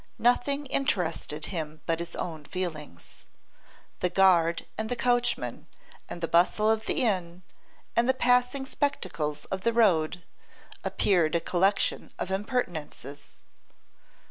Nothing interested him but his own feelings. The guard and the coachman, and the bustle of the inn, and the passing spectacles of the road, appeared a collection of impertinences.